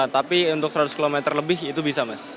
tapi untuk seratus km lebih itu bisa mas